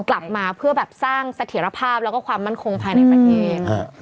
กลับมาเพื่อแบบสร้างเสถียรภาพแล้วก็ความมั่นคงภายในประเทศ